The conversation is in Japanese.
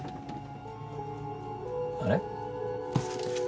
あれ？